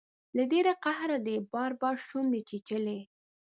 له ډیر قهره دې بار بار شونډې چیچلي